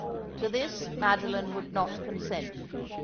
To this Madoline would not consent.